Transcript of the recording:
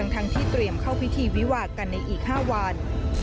ทั้งที่เตรียมเข้าพิธีวิวากันในอีก๕วัน